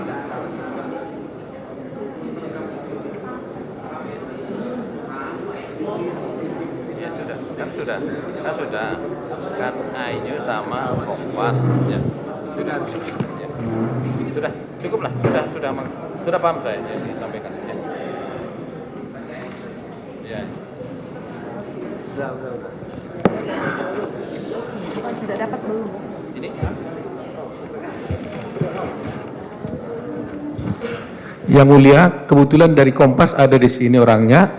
sudah sudah paham saya